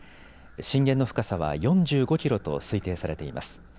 震源の深さは４５キロと推定されています。